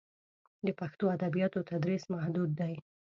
د پښتو ادبیاتو تدریس محدود دی.